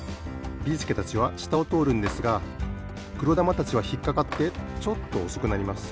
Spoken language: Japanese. ビーすけたちはしたをとおるんですがくろだまたちはひっかかってちょっとおそくなります。